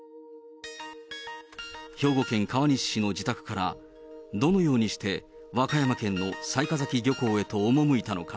兵庫県川西市の自宅からどのようにして和歌山県の雑賀崎漁港へと赴いたのか。